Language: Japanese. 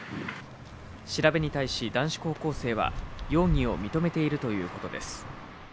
調べに対し男子高校生は、容疑を認めているということです。